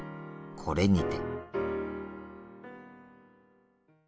これにて。